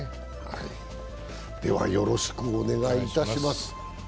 では、よろしくお願いいたします。